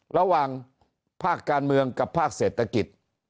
ระหว่างภาคการเมืองกับภาคเศรษฐกิจ